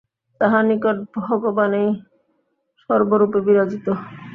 তাহার নিকট ভগবানেই সর্বরূপে বিরাজিত।